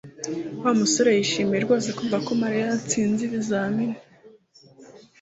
Wa musore yishimiye rwose kumva ko Mariya yatsinze ibizamini